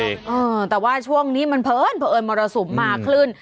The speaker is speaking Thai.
เออแต่ว่าช่วงนี้มันเพลินเผอิญมรสุมมาคลื่น